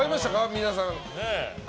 皆さん。